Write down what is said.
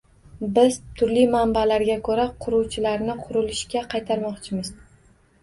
Biz turli manbalarga ko'ra, quruvchilarni qurilishga qaytarmoqchimiz